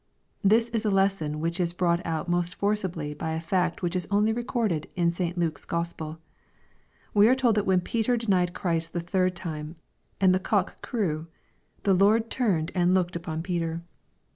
This is a lesson which is brought out most forcibly by a fact which is only recorded in St. Luke's Gospel. We are told that when Peter denied Christ the third time, and the cock crew, " the Lord turned and looked upon Peter."